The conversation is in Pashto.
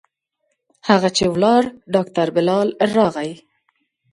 هغه چې ولاړ ډاکتر بلال راغى.